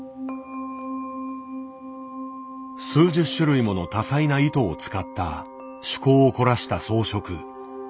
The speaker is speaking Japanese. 数十種類もの多彩な糸を使った趣向を凝らした装飾。